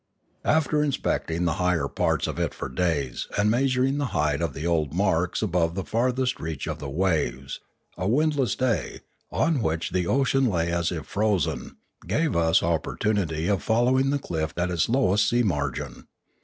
After inspecting the higher parts of it for days and measuring the height of the old marks above the farthest reach of the waves, a windless day, on which the ocean lay as if frozen, gave us opportunity of fol lowing the cliff at its lowest sea margin.